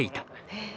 へえ。